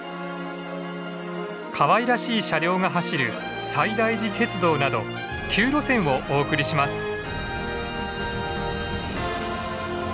かわいらしい車両が走る西大寺鉄道など９路線をお送りします。